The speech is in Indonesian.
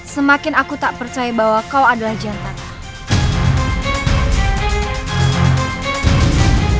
semakin aku tak percaya bahwa kau adalah jantan